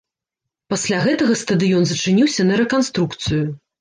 Пасля гэтага стадыён зачыніўся на рэканструкцыю.